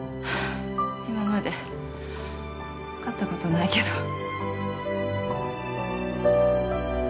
今まで勝ったことないけど